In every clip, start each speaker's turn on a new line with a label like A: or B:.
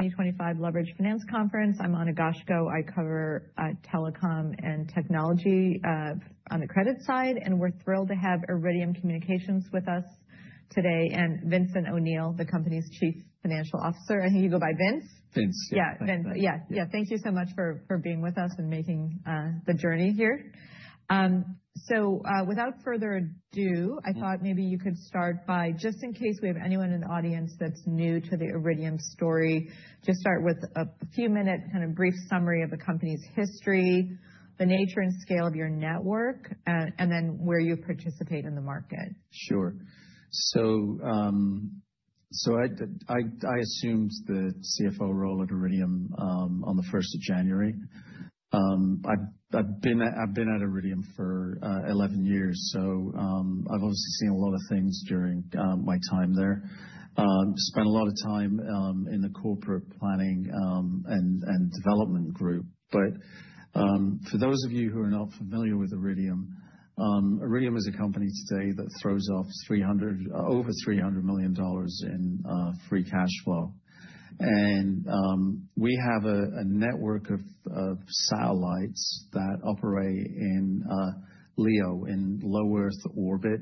A: 2025 Leverage Finance Conference. I'm Anna Goshko. I cover telecom and technology on the credit side, and we're thrilled to have Iridium Communications with us today and Vincent O'Neill, the company's Chief Financial Officer. I think you go by Vince.
B: Vince, yeah.
A: Yeah, Vince. Yeah, yeah. Thank you so much for being with us and making the journey here. So, without further ado, I thought maybe you could start by, just in case we have anyone in the audience that's new to the Iridium story, just start with a few-minute kind of brief summary of the company's history, the nature and scale of your network, and then where you participate in the market.
B: Sure, so I assumed the CFO role at Iridium on the 1st of January. I've been at Iridium for 11 years, so I've obviously seen a lot of things during my time there. I spent a lot of time in the corporate planning and development group. But for those of you who are not familiar with Iridium, Iridium is a company today that throws off over $300 million in free cash flow, and we have a network of satellites that operate in LEO, in Low Earth Orbit,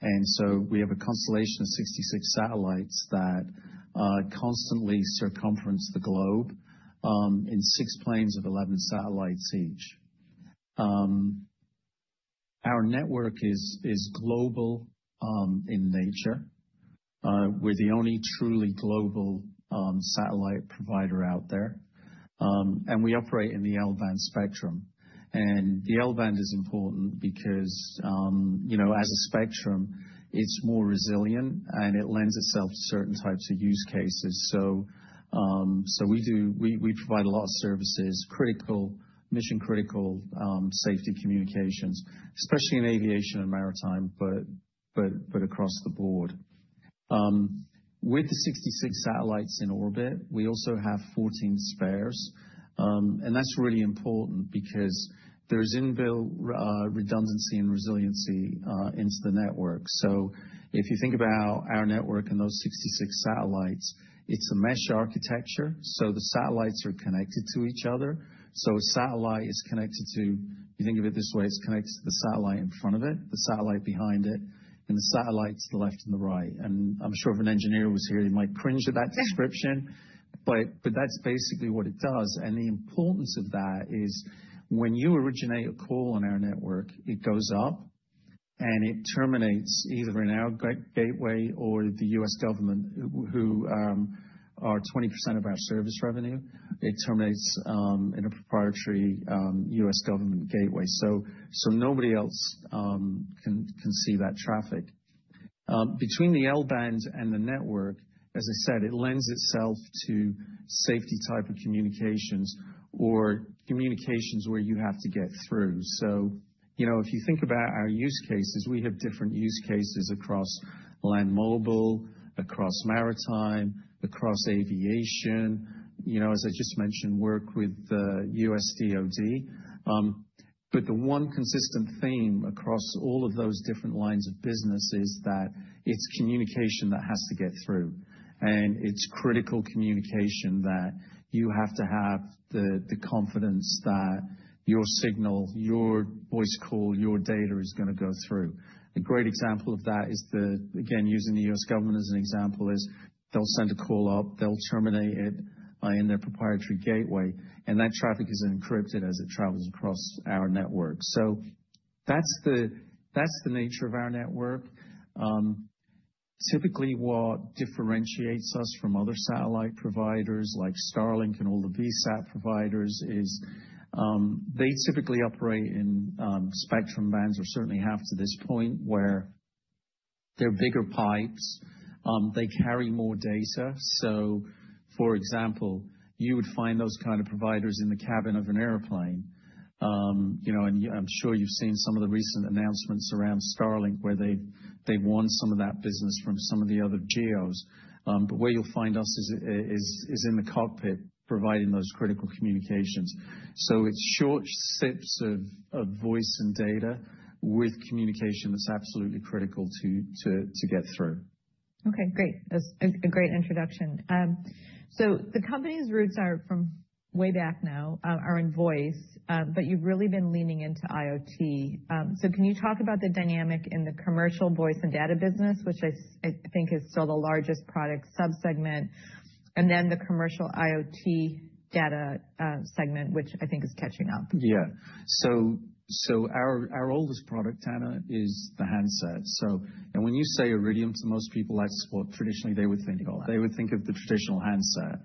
B: and so we have a constellation of 66 satellites that constantly circumference the globe in six planes of 11 satellites each. Our network is global in nature. We're the only truly global satellite provider out there, and we operate in the L-band spectrum. The L-band is important because, as a spectrum, it's more resilient and it lends itself to certain types of use cases. We provide a lot of services: critical, mission-critical, safety communications, especially in aviation and maritime, but across the board. With the 66 satellites in orbit, we also have 14 spares. That's really important because there is inbuilt redundancy and resiliency into the network. If you think about our network and those 66 satellites, it's a mesh architecture. The satellites are connected to each other. A satellite is connected to, you think of it this way, it's connected to the satellite in front of it, the satellite behind it, and the satellites to the left and the right. I'm sure if an engineer was here, they might cringe at that description. That's basically what it does. And the importance of that is when you originate a call on our network, it goes up and it terminates either in our gateway or the U.S. government, who are 20% of our service revenue. It terminates in a proprietary U.S. government gateway. So nobody else can see that traffic. Between the L-band and the network, as I said, it lends itself to safety type of communications or communications where you have to get through. So if you think about our use cases, we have different use cases across land mobile, across maritime, across aviation. As I just mentioned, work with U.S. DoD. But the one consistent theme across all of those different lines of business is that it's communication that has to get through. And it's critical communication that you have to have the confidence that your signal, your voice call, your data is going to go through. A great example of that is the, again, using the U.S. government as an example, is they'll send a call up, they'll terminate it in their proprietary gateway, and that traffic is encrypted as it travels across our network. So that's the nature of our network. Typically, what differentiates us from other satellite providers like Starlink and all the VSAT providers is they typically operate in spectrum bands or certainly have to this point where they're bigger pipes. They carry more data. So, for example, you would find those kinds of providers in the cabin of an airplane. And I'm sure you've seen some of the recent announcements around Starlink where they've won some of that business from some of the other geos. But where you'll find us is in the cockpit providing those critical communications. So it's short sips of voice and data with communication that's absolutely critical to get through.
A: Okay, great. That's a great introduction. So the company's roots are from way back now, are in voice, but you've really been leaning into IoT. So can you talk about the dynamic in the commercial voice and data business, which I think is still the largest product subsegment, and then the commercial IoT data segment, which I think is catching up?
B: Yeah, so our oldest product, Anna, is the handset, and when you say Iridium, to most people, that's what traditionally they would think. They would think of the traditional handset.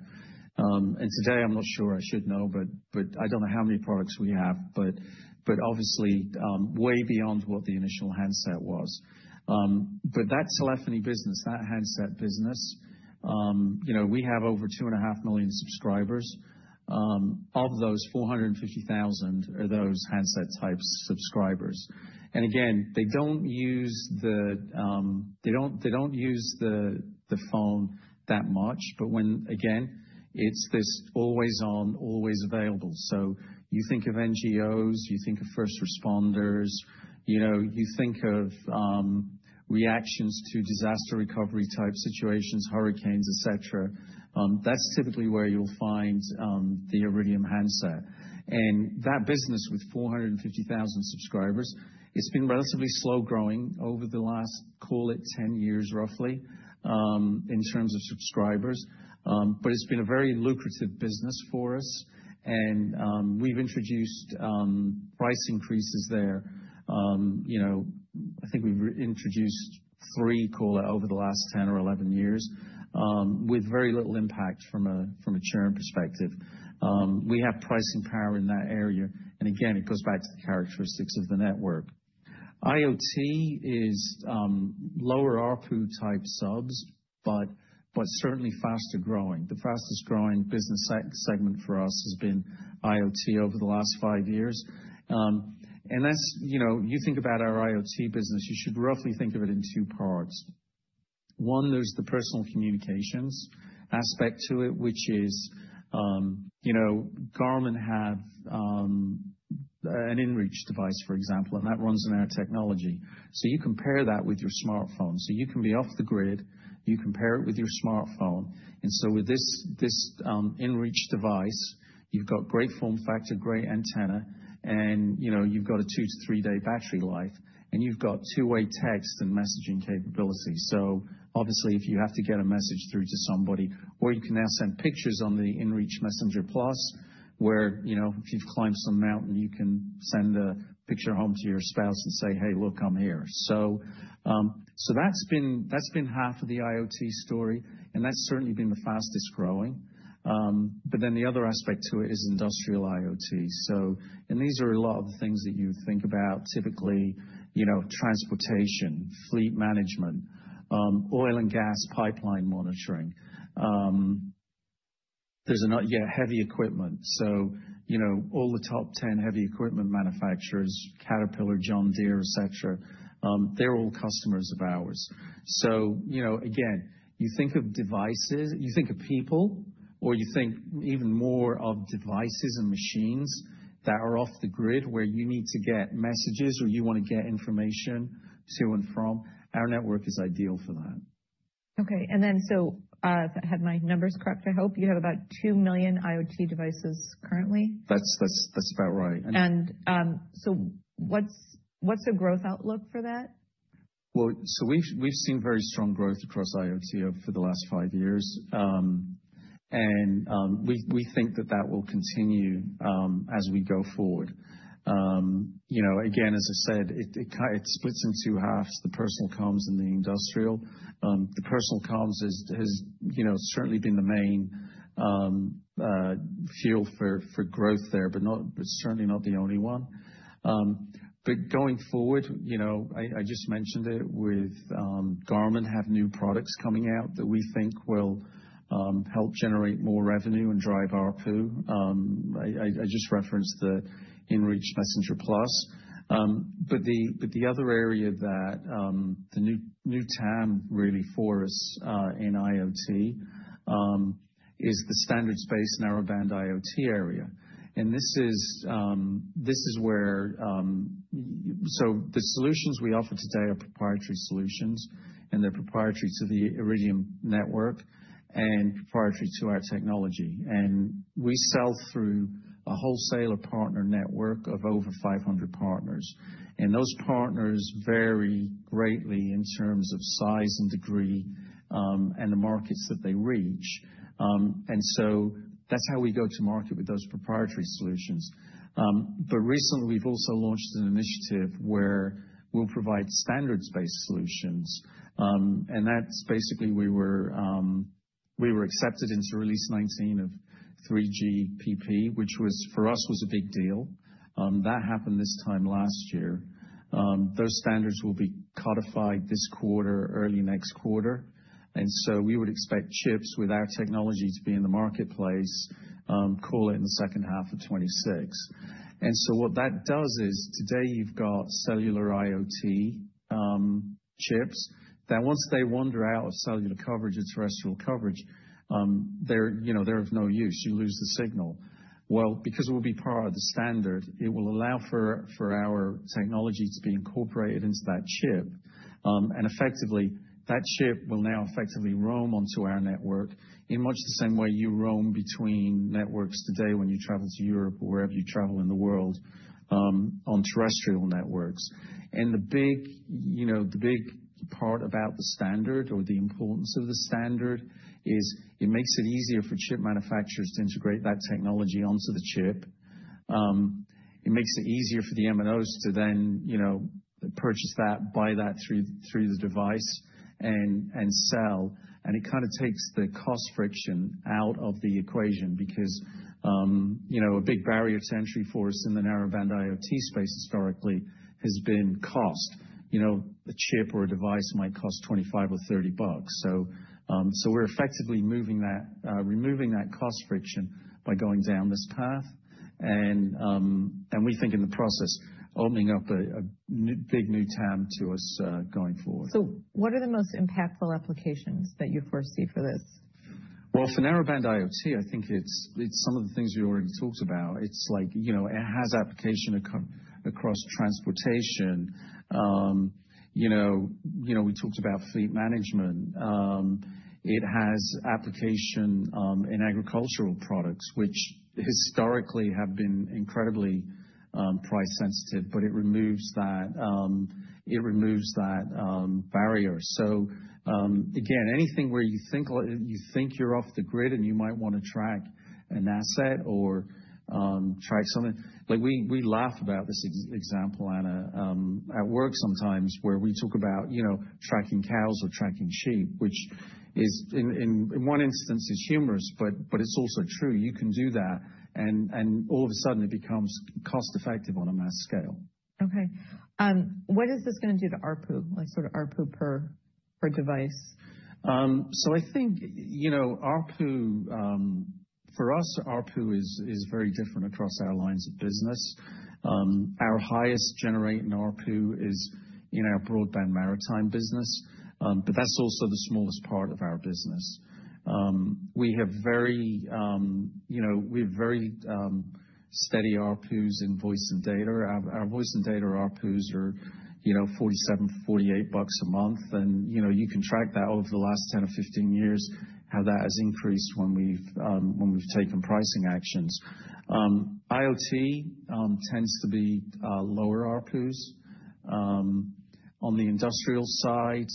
B: And today, I'm not sure I should know, but I don't know how many products we have, but obviously way beyond what the initial handset was. But that telephony business, that handset business, we have over 2.5 million subscribers. Of those, 450,000 are those handset type subscribers. And again, they don't use the phone that much, but when, again, it's this always on, always available. So you think of NGOs, you think of first responders, you think of reactions to disaster recovery type situations, hurricanes, et cetera. That's typically where you'll find the Iridium handset. That business with 450,000 subscribers, it's been relatively slow growing over the last, call it, 10 years, roughly, in terms of subscribers. It's been a very lucrative business for us. We've introduced price increases there. I think we've introduced three, call it, over the last 10 or 11 years with very little impact from a churn perspective. We have pricing power in that area. Again, it goes back to the characteristics of the network. IoT is lower RPU type subs, but certainly faster growing. The fastest growing business segment for us has been IoT over the last five years. You think about our IoT business, you should roughly think of it in two parts. One, there's the personal communications aspect to it, which is Garmin have an inReach device, for example, and that runs on our technology. So you compare that with your smartphone. You can be off the grid. You compare it with your smartphone. And so with this inReach device, you've got great form factor, great antenna, and you've got a two- to three-day battery life, and you've got two-way text and messaging capability. So obviously, if you have to get a message through to somebody, or you can now send pictures on the inReach Messenger Plus, where if you've climbed some mountain, you can send a picture home to your spouse and say, "Hey, look, I'm here." So that's been half of the IoT story, and that's certainly been the fastest growing. But then the other aspect to it is industrial IoT. And these are a lot of the things that you think about typically: transportation, fleet management, oil and gas pipeline monitoring. There's a heavy equipment. So all the top 10 heavy equipment manufacturers, Caterpillar, John Deere, et cetera, they're all customers of ours. So again, you think of devices, you think of people, or you think even more of devices and machines that are off the grid where you need to get messages or you want to get information to and from, our network is ideal for that.
A: Okay, and then so I had my numbers correct. I hope you have about two million IoT devices currently.
B: That's about right.
A: And so, what's the growth outlook for that?
B: We've seen very strong growth across IoT for the last five years. We think that that will continue as we go forward. Again, as I said, it splits in two halves, the personal comms and the industrial. The personal comms has certainly been the main fuel for growth there, but certainly not the only one. Going forward, I just mentioned it with Garmin have new products coming out that we think will help generate more revenue and drive RPU. I just referenced the inReach Messenger Plus. The other area that the new TAM really for us in IoT is the standards-based narrowband IoT area. This is where so the solutions we offer today are proprietary solutions, and they're proprietary to the Iridium network and proprietary to our technology. We sell through a wholesaler partner network of over 500 partners. Those partners vary greatly in terms of size and degree and the markets that they reach. And so that's how we go to market with those proprietary solutions. But recently, we've also launched an initiative where we'll provide standards-based solutions. And that's basically we were accepted into Release 19 of 3GPP, which for us was a big deal. That happened this time last year. Those standards will be codified this quarter, early next quarter. And so we would expect chips with our technology to be in the marketplace, call it, in the second half of 2026. And so what that does is today you've got cellular IoT chips that once they wander out of cellular coverage and terrestrial coverage, they're of no use. You lose the signal. Well, because it will be part of the standard, it will allow for our technology to be incorporated into that chip. And effectively, that chip will now effectively roam onto our network in much the same way you roam between networks today when you travel to Europe or wherever you travel in the world on terrestrial networks. And the big part about the standard or the importance of the standard is it makes it easier for chip manufacturers to integrate that technology onto the chip. It makes it easier for the MNOs to then purchase that, buy that through the device and sell. And it kind of takes the cost friction out of the equation because a big barrier to entry for us in the Narrowband IoT space historically has been cost. A chip or a device might cost $25 or $30. So we're effectively removing that cost friction by going down this path. And we think in the process, opening up a big new TAM to us going forward.
A: So what are the most impactful applications that you foresee for this?
B: For narrowband IoT, I think it's some of the things we already talked about. It has application across transportation. We talked about fleet management. It has application in agricultural products, which historically have been incredibly price sensitive, but it removes that barrier. So again, anything where you think you're off the grid and you might want to track an asset or track something. We laugh about this example, Anna, at work sometimes where we talk about tracking cows or tracking sheep, which in one instance is humorous, but it's also true. You can do that. And all of a sudden, it becomes cost-effective on a mass scale.
A: Okay. What is this going to do to RPU, like sort of RPU per device?
B: I think RPU, for us, RPU is very different across our lines of business. Our highest generating RPU is in our broadband maritime business, but that's also the smallest part of our business. We have very steady RPUs in voice and data. Our voice and data RPUs are $47-$48 a month. And you can track that over the last 10 or 15 years, how that has increased when we've taken pricing actions. IoT tends to be lower RPUs. On the industrial side,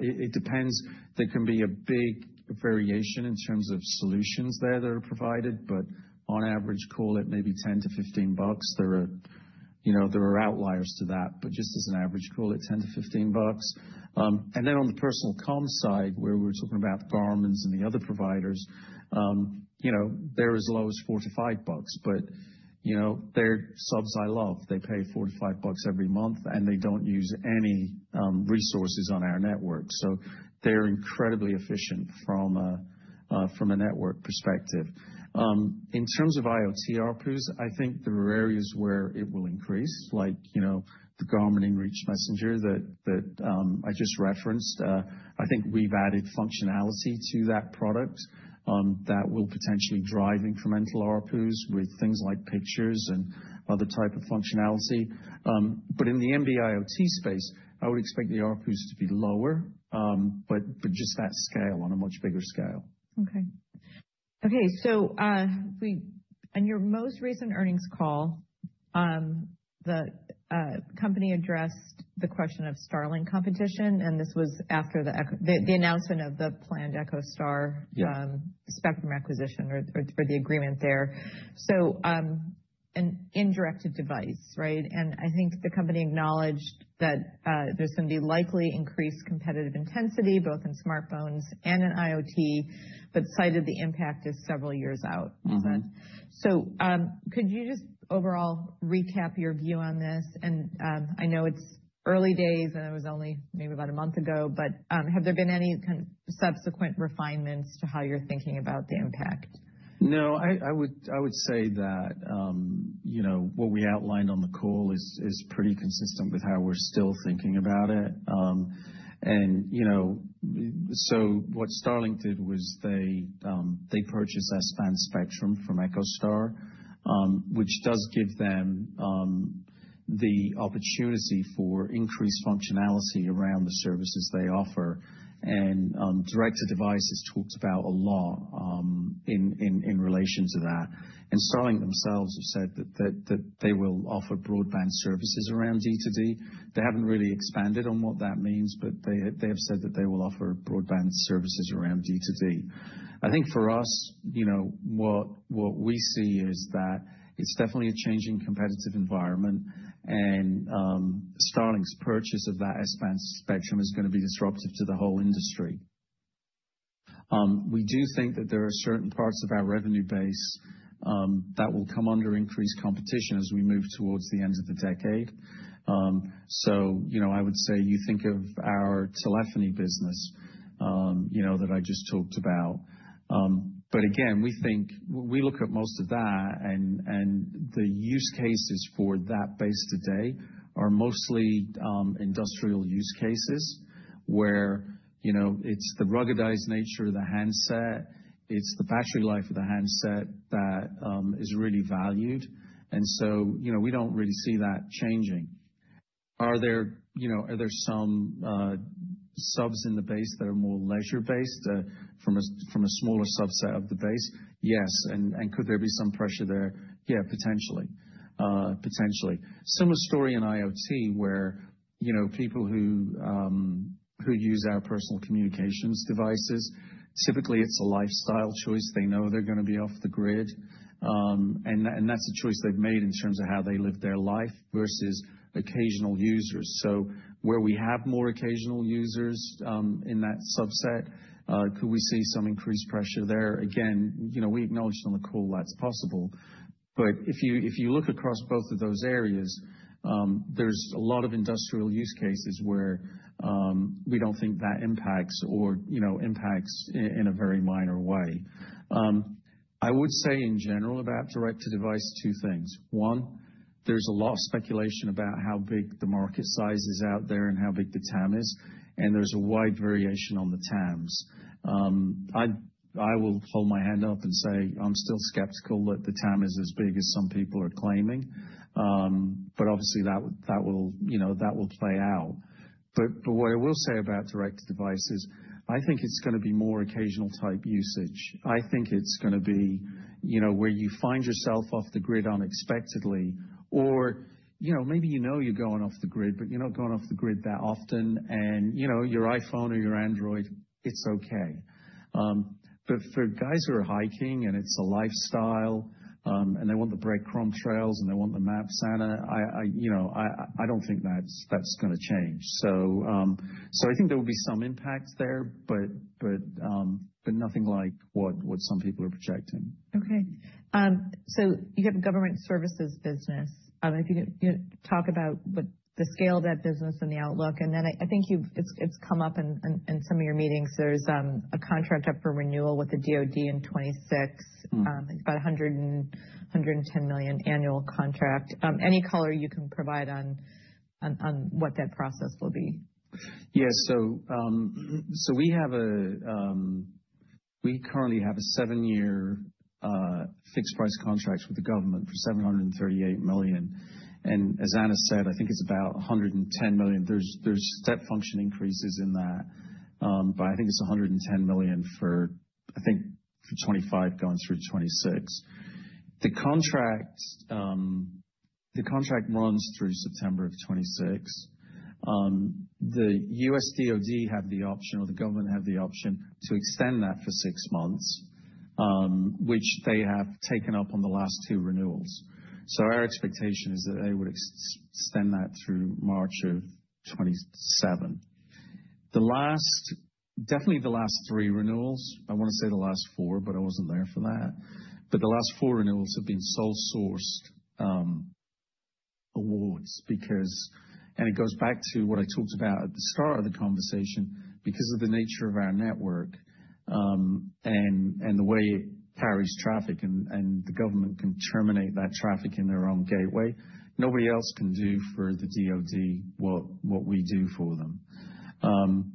B: it depends. There can be a big variation in terms of solutions there that are provided, but on average, call it maybe $10-$15. There are outliers to that, but just as an average, call it $10-$15. And then on the personal comm side, where we're talking about Garmins and the other providers, there is as low as $4-$5, but they're subs I love. They pay $4-$5 every month, and they don't use any resources on our network. So they're incredibly efficient from a network perspective. In terms of IoT RPUs, I think there are areas where it will increase, like the Garmin inReach Messenger that I just referenced. I think we've added functionality to that product that will potentially drive incremental RPUs with things like pictures and other types of functionality. But in the MB IoT space, I would expect the RPUs to be lower, but just that scale on a much bigger scale.
A: Okay. So on your most recent earnings call, the company addressed the question of Starlink competition, and this was after the announcement of the planned EchoStar spectrum acquisition or the agreement there. So an indirect device, right? And I think the company acknowledged that there's going to be likely increased competitive intensity, both in smartphones and in IoT, but cited the impact is several years out. So could you just overall recap your view on this? And I know it's early days, and it was only maybe about a month ago, but have there been any kind of subsequent refinements to how you're thinking about the impact?
B: No, I would say that what we outlined on the call is pretty consistent with how we're still thinking about it. And so what Starlink did was they purchased S-band spectrum from EchoStar, which does give them the opportunity for increased functionality around the services they offer. And direct-to-device is talked about a lot in relation to that. And Starlink themselves have said that they will offer broadband services around D2D. They haven't really expanded on what that means, but they have said that they will offer broadband services around D2D. I think for us, what we see is that it's definitely a changing competitive environment, and Starlink's purchase of that S-band spectrum is going to be disruptive to the whole industry. We do think that there are certain parts of our revenue base that will come under increased competition as we move towards the end of the decade. So I would say you think of our telephony business that I just talked about. But again, we look at most of that, and the use cases for that base today are mostly industrial use cases where it's the ruggedized nature of the handset. It's the battery life of the handset that is really valued. And so we don't really see that changing. Are there some subs in the base that are more leisure-based from a smaller subset of the base? Yes. And could there be some pressure there? Yeah, potentially. Potentially. Similar story in IoT, where people who use our personal communications devices, typically it's a lifestyle choice. They know they're going to be off the grid. And that's a choice they've made in terms of how they live their life versus occasional users. So where we have more occasional users in that subset, could we see some increased pressure there? Again, we acknowledged on the call that's possible. But if you look across both of those areas, there's a lot of industrial use cases where we don't think that impacts or impacts in a very minor way. I would say in general about direct-to-device, two things. One, there's a lot of speculation about how big the market size is out there and how big the TAM is, and there's a wide variation on the TAMs. I will hold my hand up and say I'm still skeptical that the TAM is as big as some people are claiming, but obviously that will play out. But what I will say about direct-to-device, I think it's going to be more occasional type usage. I think it's going to be where you find yourself off the grid unexpectedly, or maybe you know you're going off the grid, but you're not going off the grid that often, and your iPhone or your Android, it's okay. But for guys who are hiking and it's a lifestyle, and they want the breadcrumb trails and they want the maps, Anna, I don't think that's going to change. So I think there will be some impact there, but nothing like what some people are projecting.
A: Okay. So you have a government services business. If you can talk about the scale of that business and the outlook. And then I think it's come up in some of your meetings. There's a contract up for renewal with the DoD in 2026, about $110 million annual contract. Any color you can provide on what that process will be?
B: Yeah. So we currently have a seven-year fixed-price contract with the government for $738 million. And as Anna said, I think it's about $110 million. There's step function increases in that, but I think it's $110 million for, I think, for 2025 going through 2026. The contract runs through September of 2026. The U.S. DoD have the option, or the government have the option to extend that for six months, which they have taken up on the last two renewals. So our expectation is that they would extend that through March of 2027. Definitely the last three renewals. I want to say the last four, but I wasn't there for that. But the last four renewals have been sole-sourced awards because, and it goes back to what I talked about at the start of the conversation, because of the nature of our network and the way it carries traffic, and the government can terminate that traffic in their own gateway. Nobody else can do for the DoD what we do for them.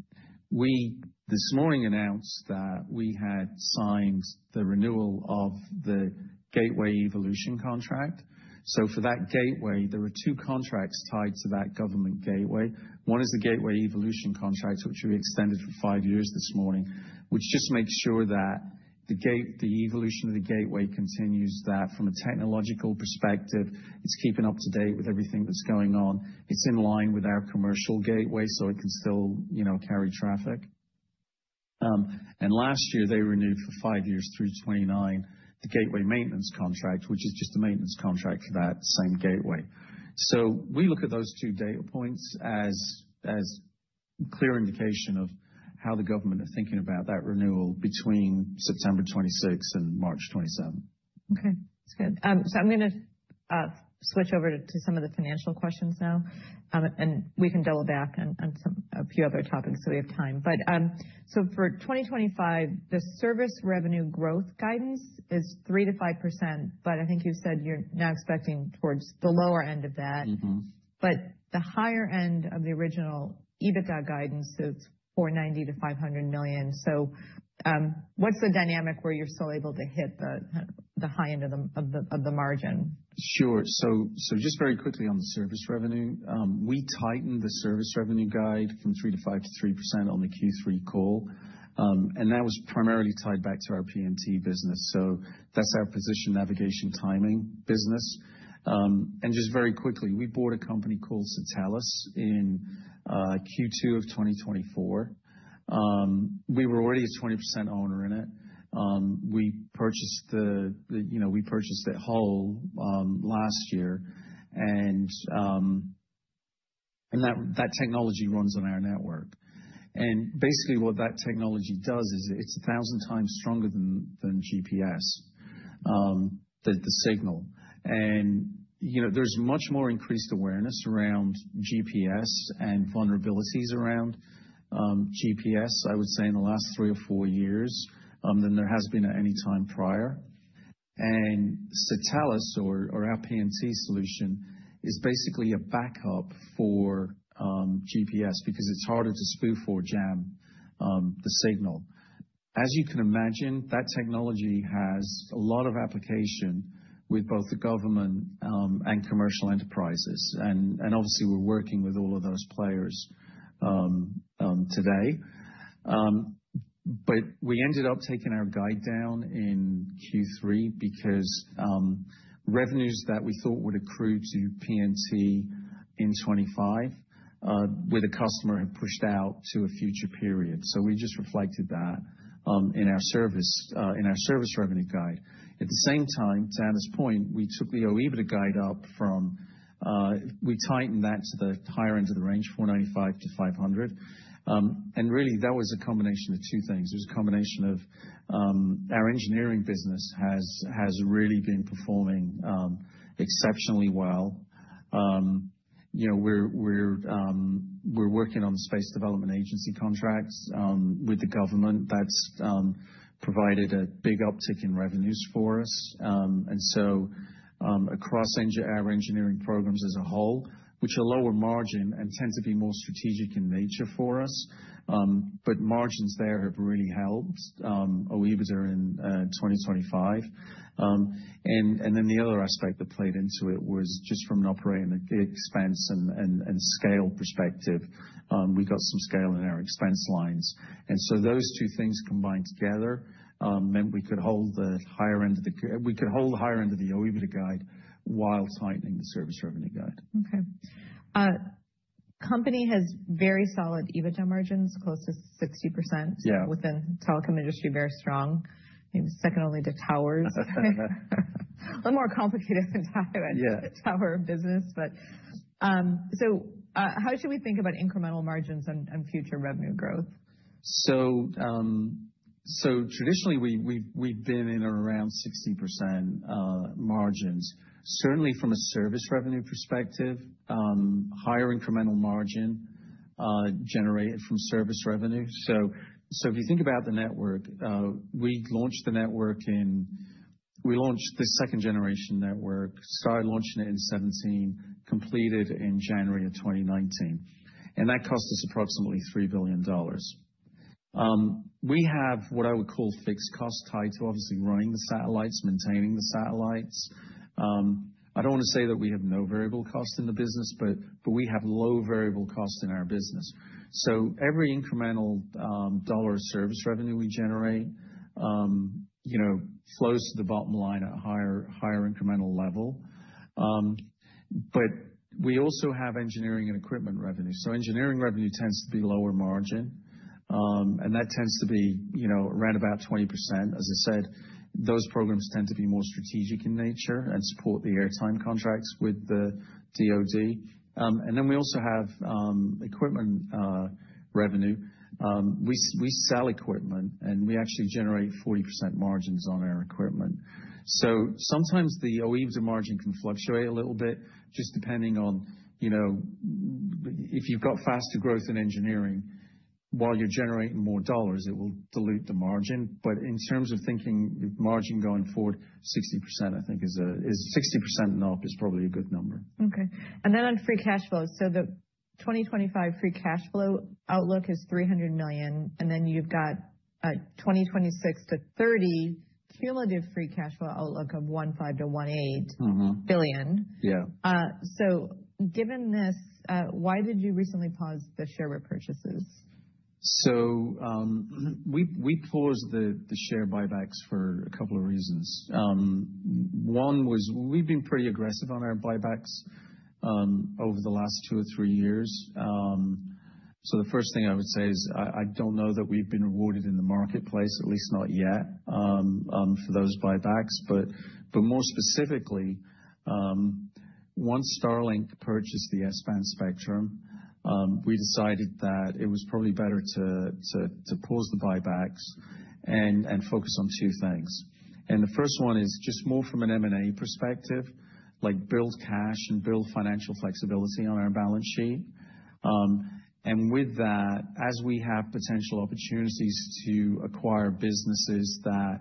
B: We, this morning, announced that we had signed the renewal of the gateway evolution contract. So for that gateway, there were two contracts tied to that government gateway. One is the gateway evolution contract, which we extended for five years this morning, which just makes sure that the evolution of the gateway continues that from a technological perspective. It's keeping up to date with everything that's going on. It's in line with our commercial gateway, so it can still carry traffic. Last year, they renewed for five years through 2029 the gateway maintenance contract, which is just a maintenance contract for that same gateway. We look at those two data points as clear indication of how the government are thinking about that renewal between September 2026 and March 2027.
A: Okay. That's good. So I'm going to switch over to some of the financial questions now, and we can double back on a few other topics if we have time. But so for 2025, the service revenue growth guidance is 3%-5%, but I think you said you're now expecting towards the lower end of that. But the higher end of the original EBITDA guidance, it's $490 million-$500 million. So what's the dynamic where you're still able to hit the high end of the margin?
B: Sure. So just very quickly on the service revenue, we tightened the service revenue guide from 3%-5% to 3% on the Q3 call. And that was primarily tied back to our PNT business. So that's our position navigation timing business. And just very quickly, we bought a company called Satelles in Q2 of 2024. We were already a 20% owner in it. We purchased it whole last year. And that technology runs on our network. And basically, what that technology does is it's a thousand times stronger than GPS, the signal. And there's much more increased awareness around GPS and vulnerabilities around GPS, I would say, in the last three or four years than there has been at any time prior. And Satelles or our PNT solution is basically a backup for GPS because it's harder to spoof or jam the signal. As you can imagine, that technology has a lot of application with both the government and commercial enterprises. And obviously, we're working with all of those players today. But we ended up taking our guide down in Q3 because revenues that we thought would accrue to PNT in 2025 with a customer have pushed out to a future period. So we just reflected that in our service revenue guide. At the same time, to Anna's point, we took the OEBITDA guide up from, we tightened that to the higher end of the range, $495-$500 million. And really, that was a combination of two things. It was a combination of our engineering business has really been performing exceptionally well. We're working on the Space Development Agency contracts with the government. That's provided a big uptick in revenues for us. And so across our engineering programs as a whole, which are lower margin and tend to be more strategic in nature for us, but margins there have really helped OEBITDA in 2025. And then the other aspect that played into it was just from an operating expense and scale perspective. We got some scale in our expense lines. And so those two things combined together meant we could hold the higher end of the OEBITDA guide while tightening the service revenue guide.
A: Okay. Company has very solid EBITDA margins, close to 60% within telecom industry, very strong. Maybe second only to towers. A little more complicated than tower, but so how should we think about incremental margins and future revenue growth?
B: Traditionally, we've been in and around 60% margins. Certainly, from a service revenue perspective, higher incremental margin generated from service revenue. If you think about the network, we launched the second-generation network, started launching it in 2017, completed in January of 2019. And that cost us approximately $3 billion. We have what I would call fixed costs tied to obviously running the satellites, maintaining the satellites. I don't want to say that we have no variable costs in the business, but we have low variable costs in our business. Every incremental dollar of service revenue we generate flows to the bottom line at a higher incremental level. But we also have engineering and equipment revenue. Engineering revenue tends to be lower margin, and that tends to be around about 20%. As I said, those programs tend to be more strategic in nature and support the airtime contracts with the DoD. And then we also have equipment revenue. We sell equipment, and we actually generate 40% margins on our equipment. So sometimes the OEBITDA margin can fluctuate a little bit just depending on if you've got faster growth in engineering. While you're generating more dollars, it will dilute the margin. But in terms of thinking margin going forward, 60% I think is a 60% and up is probably a good number.
A: Okay. And then on free cash flows, so the 2025 free cash flow outlook is $300 million, and then you've got 2026 to 2030 cumulative free cash flow outlook of $15 billion-$18 billion. So given this, why did you recently pause the share repurchases?
B: So we paused the share buybacks for a couple of reasons. One was we've been pretty aggressive on our buybacks over the last two or three years. So the first thing I would say is I don't know that we've been rewarded in the marketplace, at least not yet, for those buybacks. But more specifically, once Starlink purchased the S-band spectrum, we decided that it was probably better to pause the buybacks and focus on two things. And the first one is just more from an M&A perspective, like build cash and build financial flexibility on our balance sheet. And with that, as we have potential opportunities to acquire businesses that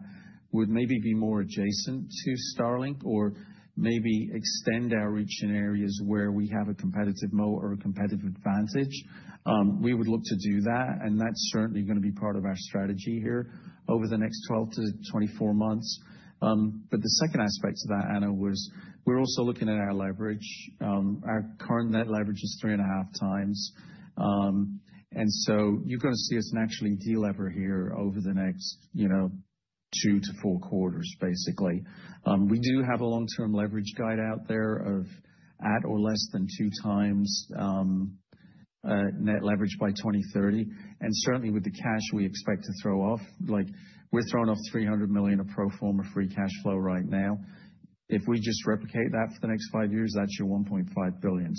B: would maybe be more adjacent to Starlink or maybe extend our reach in areas where we have a competitive moat or a competitive advantage, we would look to do that. That's certainly going to be part of our strategy here over the next 12 to 24 months. The second aspect to that, Anna, was we're also looking at our leverage. Our current net leverage is three and a half times. You're going to see us naturally delever here over the next two to four quarters, basically. We do have a long-term leverage guide out there of at or less than two times net leverage by 2030. Certainly, with the cash we expect to throw off, we're throwing off $300 million of pro forma free cash flow right now. If we just replicate that for the next five years, that's your $1.5 billion.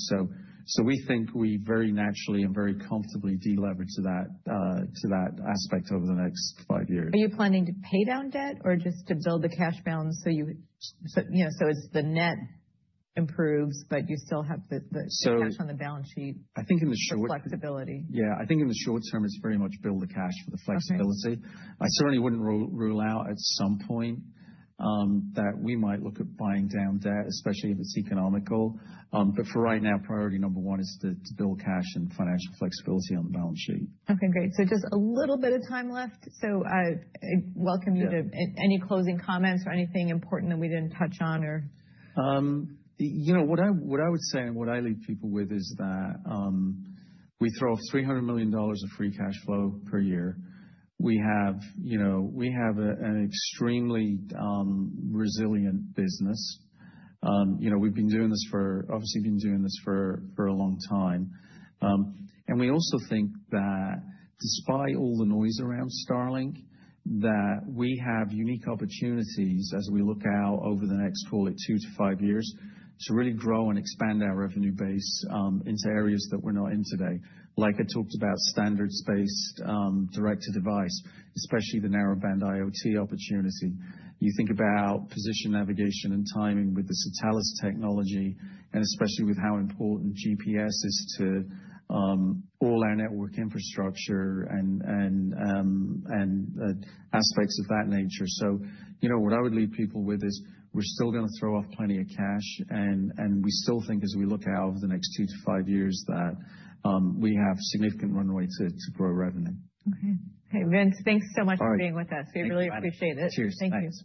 B: We think we very naturally and very comfortably deleverage to that aspect over the next five years.
A: Are you planning to pay down debt or just to build the cash balance so that the net improves, but you still have the cash on the balance sheet?
B: I think in the short.
A: Just flexibility.
B: Yeah. I think in the short term, it's very much build the cash for the flexibility. I certainly wouldn't rule out at some point that we might look at buying down debt, especially if it's economical. But for right now, priority number one is to build cash and financial flexibility on the balance sheet.
A: Okay. Great. So just a little bit of time left. So welcome you to any closing comments or anything important that we didn't touch on or.
B: What I would say and what I leave people with is that we throw off $300 million of free cash flow per year. We have an extremely resilient business. We've been doing this for a long time. We also think that despite all the noise around Starlink, we have unique opportunities as we look out over the next, call it, two to five years to really grow and expand our revenue base into areas that we're not in today. Like I talked about, standards-based direct-to-device, especially the narrowband IoT opportunity. You think about position navigation and timing with the Satelles technology, and especially with how important GPS is to all our network infrastructure and aspects of that nature. So what I would leave people with is we're still going to throw off plenty of cash, and we still think as we look out over the next two to five years that we have significant runway to grow revenue.
A: Okay. Hey, Vince, thanks so much for being with us. We really appreciate it.
B: Cheers. Thank you.